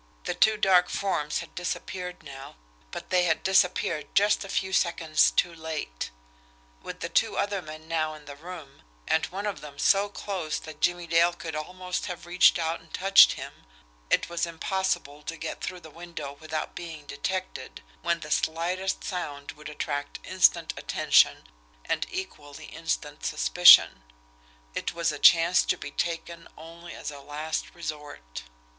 The two dark forms had disappeared now, but they had disappeared just a few seconds too late with the two other men now in the room, and one of them so close that Jimmie Dale could almost have reached out and touched him, it was impossible to get through the window without being detected, when the slightest sound would attract instant attention and equally instant suspicion. It was a chance to be taken only as a last resort.